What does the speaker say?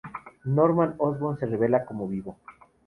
Norman Osborn se revela como vivo.